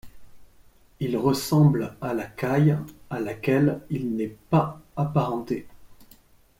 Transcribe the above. Il ressemble à la caille à laquelle il n'est pas apparenté.